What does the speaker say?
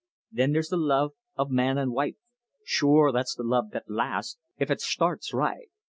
Thin there's the love o' man an' wife. Shure, that's the love that lasts, if it shtarts right.